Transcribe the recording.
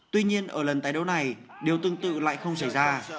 tuy nhiên ở lần tái đấu này điều tương tự lại không xảy ra